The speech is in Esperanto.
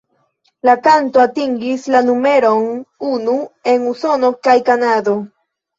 La kanto atingis la numeron unu en Usono kaj Kanado.